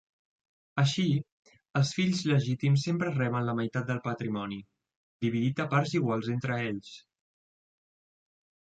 Així, els fills legítims sempre reben la meitat del patrimoni, dividit a parts iguals entre ells.